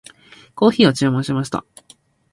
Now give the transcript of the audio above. コーヒーを注文しました。